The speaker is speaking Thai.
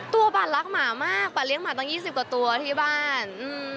ปั่นรักหมามากป่าเลี้ยหมาตั้ง๒๐กว่าตัวที่บ้าน